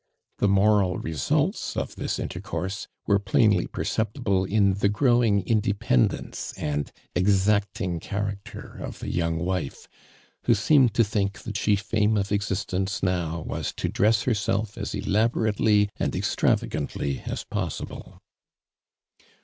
The moral results of this intercourse were plain ly perceptible in the growing independence and exacting character of the young wife, who seemed to think the chief aim of exis tence now was to dress herself as elabora tely and extravagantly as possible.